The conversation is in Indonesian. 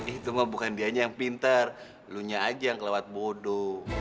itu mah bukan dianya yang pinter lunya aja yang kelewat bodo